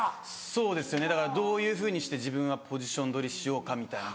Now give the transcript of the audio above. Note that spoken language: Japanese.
そうですねだからどういうふうにして自分はポジション取りしようかみたいな。